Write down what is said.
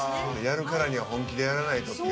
やるからには本気でやらないと。